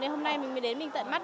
hôm nay mình mới đến mình tận mắt